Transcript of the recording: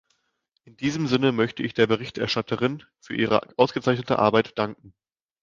In diesem Sinne möchte ich der Berichterstatterin für ihre ausgezeichnete Arbeit danken.